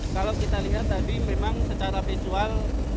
kalau kita lihat tadi memang secara visual